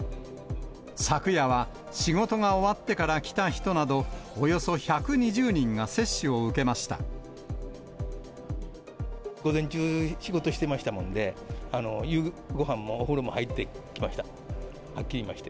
昨夜は仕事が終わってから来た人など、およそ１２０人が接種を受午前中、仕事してましたもんで、ごはんもお風呂も入ってきました。